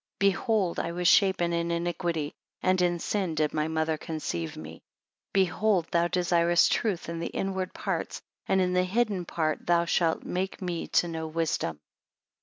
28 Behold I was shapen in iniquity, and in sin did my mother conceive me. 29 Behold, thou desirest truth in the inward parts; and in the hidden part thou shalt make me to know wisdom.